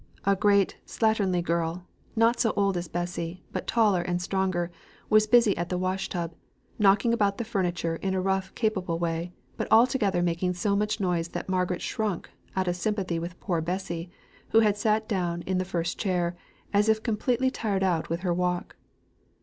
A great slatternly girl, not so old as Bessy, but taller and stronger, was busy at the wash tub, knocking about the furniture in a rough capable way, but altogether making so much noise that Margaret shrunk, out of sympathy with poor Bessy, who had sat down on the first chair, as if completely tired out with her walk.